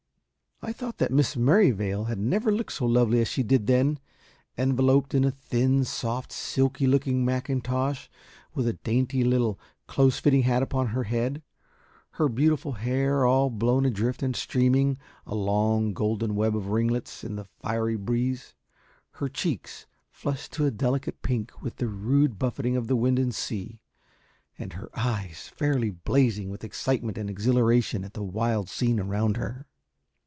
I thought Miss Merrivale had never looked so lovely as she did then, enveloped in a thin, soft, silky looking mackintosh, with a dainty little, close fitting hat upon her head, her beautiful hair all blown adrift and streaming, a long golden web of ringlets, in the fiery breeze, her cheeks flushed to a delicate pink with the rude buffeting of wind and sea, and her eyes fairly blazing with excitement and exhilaration at the wild scene around her.